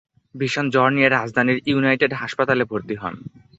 ভীষণ জ্বর নিয়ে রাজধানীর ইউনাইটেড হাসপাতালে ভর্তি হন।